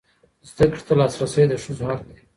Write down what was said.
زده کړې ته لاسرسی د ښځو حق دی.